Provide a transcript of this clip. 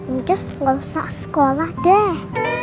udah gak usah sekolah deh